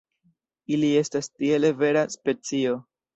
Ili estas tiele vera specio.